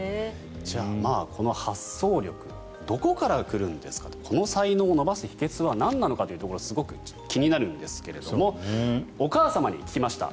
じゃあこの発想力どこから来るんですかとこの才能を伸ばす秘けつはなんなのかというところすごく気になるんですがお母様に聞きました。